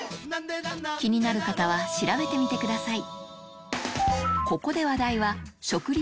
気になる方は調べてみてください